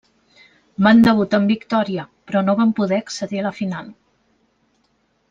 Van debutar amb victòria però no van poder accedir a la final.